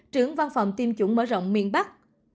trưởng văn phòng tiêm chủng mở rộng miền bắc